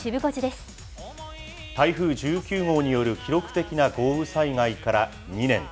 台風１９号による記録的な豪雨災害から２年。